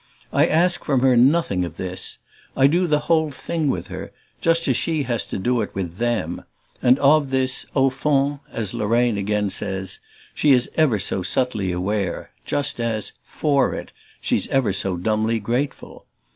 I ask from her nothing of this I do the whole thing with her, as she has to do it with them; and of this, au fond, as Lorraine again says, she is ever so subtly aware just as, FOR it, she's ever so dumbly grateful.